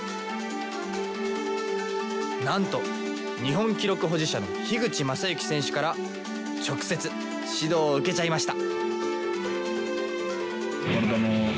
なんと日本記録保持者の口政幸選手から直接指導を受けちゃいました！